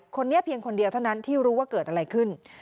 เพียงคนเดียวเท่านั้นที่รู้ว่าเกิดอะไรขึ้น